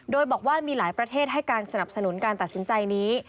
โดยบอกว่ามีหลายประเทศให้การสนับสนุนการตัดสินใจนี้